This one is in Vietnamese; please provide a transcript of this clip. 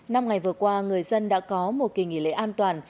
năm ngày vừa qua người dân đã có một kỳ nghỉ lễ an toàn